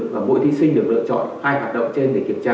và mỗi thí sinh được lựa chọn hai hoạt động trên để kiểm tra